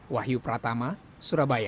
wahyu pratama surabaya